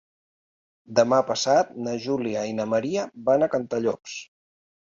Demà passat na Júlia i na Maria van a Cantallops.